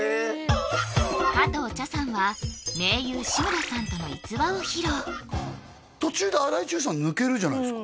加藤茶さんは盟友志村さんとの逸話を披露途中で荒井注さん抜けるじゃないですか